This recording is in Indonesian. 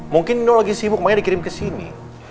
mungkin lo lagi sibuk makanya dikirim ke sini